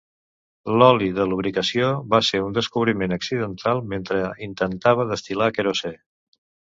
L'oli de lubricació va ser un descobriment accidental mentre intentava destil·lar querosè.